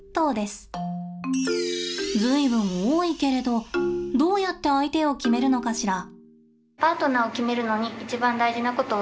随分多いけれどどうやって相手を決めるのかしら？